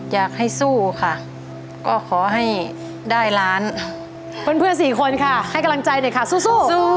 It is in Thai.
อยากให้สู้ค่ะก็ขอให้ได้ล้านเพื่อนสี่คนค่ะให้กำลังใจเด็กค่ะสู้